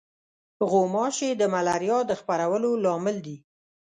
غوماشې د ملاریا د خپرولو لامل دي.